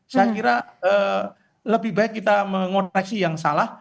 saya kira lebih baik kita mengoreksi yang salah